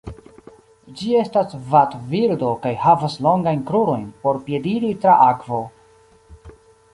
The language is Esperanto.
Ĝi estas vadbirdo kaj havas longajn krurojn por piediri tra akvo.